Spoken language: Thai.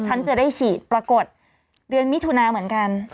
ฉันจะได้ฉีดปรากฏเดือนมิถุนาเหมือนกัน